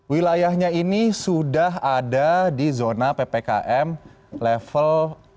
wilayahnya ini sudah ada di zona ppkm level empat